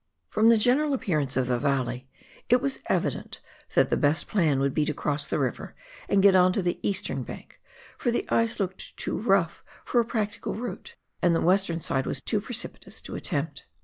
From the general appearance of the valley, it was evident that the best plan would be to cross the river and get on to the eastern bank, for the ice looked too rough for a practical route, and the western side was too precipitous to attempt.